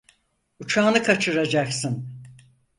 Uçağını kaçıracaksın.